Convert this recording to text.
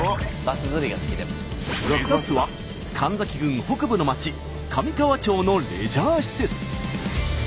目指すは神崎郡北部の町神河町のレジャー施設。